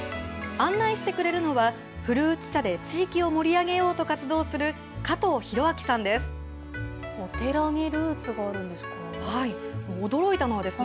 案内してくれるのは、古内茶で地域を盛り上げようと活動する、加藤裕章さんです。